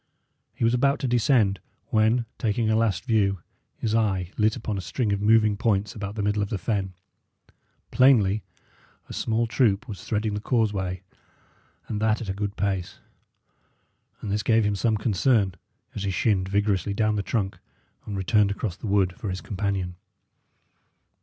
He was about to descend, when, taking a last view, his eye lit upon a string of moving points about the middle of the fen. Plainly a small troop was threading the causeway, and that at a good pace; and this gave him some concern as he shinned vigorously down the trunk and returned across the wood for his companion.